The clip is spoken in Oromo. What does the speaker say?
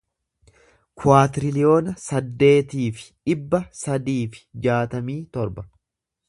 kuwaatiriliyoona saddeetii fi dhibba sadii fi jaatamii torba